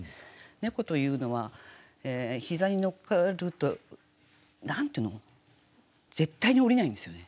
猫というのは膝に乗っかると何て言うの絶対に下りないんですよね。